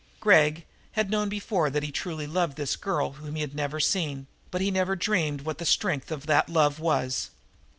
Gregg had known before that he truly loved this girl whom he had never seen, but he had never dreamed what the strength of that love was.